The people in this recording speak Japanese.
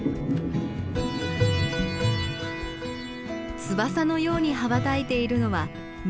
翼のように羽ばたいているのは胸びれ。